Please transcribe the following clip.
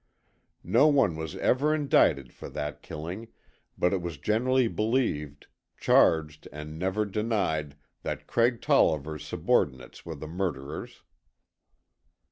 No one was ever indicted for that killing, but it was generally believed, charged and never denied that Craig Tolliver's subordinates were the murderers.